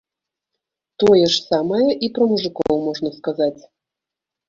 Тое ж самае і пра мужыкоў можна сказаць.